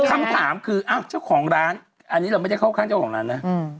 คำถามคืออ้าวเจ้าของร้านอันนี้เราไม่ได้เข้าข้างเจ้าของร้านนะ